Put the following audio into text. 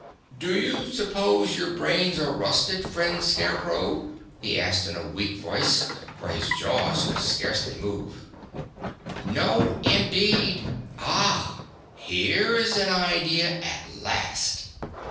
"Do you suppose your brains are rusted, friend Scarecrow?" he asked in a weak voice, for his jaws would scarcely move. "No, indeed. Ah, here's an idea at last!"